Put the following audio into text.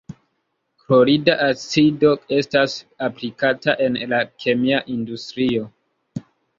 Klorida acido estas aplikata en la kemia industrio.